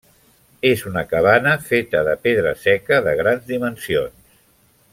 És una cabana feta de pedra seca de grans dimensions.